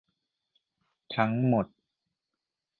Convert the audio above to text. ทั้งหมด